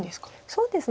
そうですね